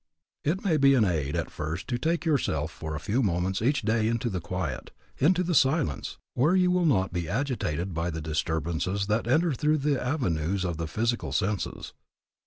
It may be an aid at first to take yourself for a few moments each day into the quiet, into the silence, where you will not be agitated by the disturbances that enter in through the avenues of the physical senses.